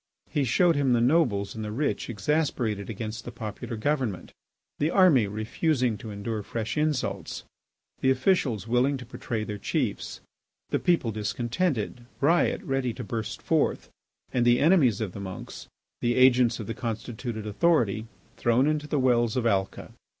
He showed him the nobles and the rich exasperated against the popular government; the army refusing to endure fresh insults; the officials willing to betray their chiefs; the people discontented, riot ready to burst forth, and the enemies of the monks, the agents of the constituted authority, thrown into the wells of Alca.